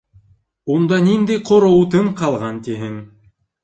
Унда ниндәй ҡоро утын ҡалған тиһең?